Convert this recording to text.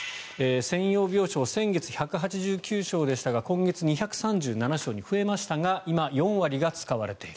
専用病床先月１８９床でしたが今月、２３７床に増えましたが今、４割が使われている。